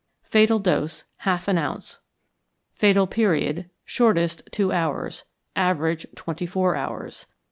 Fatal Dose. Half an ounce. Fatal Period. Shortest, two hours; average, twenty four hours.